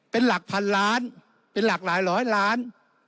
เป็นหลักพันล้านเป็นหลากหลายร้อยล้าน